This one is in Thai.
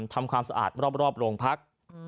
ทำความสะอาดรอบโรงพัก